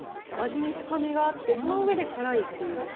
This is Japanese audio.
味に深みがあって、その上で辛いっていう。